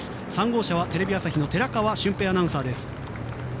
３号車はテレビ朝日の寺川俊平アナウンサーです。